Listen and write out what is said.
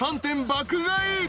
爆買い。